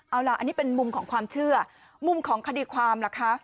เอาล่ะอันนี้เป็นมุมของความเชื่อมุมของคดีความล่ะคะ